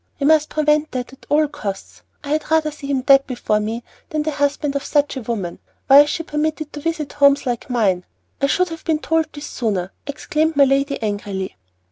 We must prevent that at all costs. I had rather see him dead before me, than the husband of such a woman. Why is she permitted to visit homes like mine? I should have been told this sooner," exclaimed my lady angrily.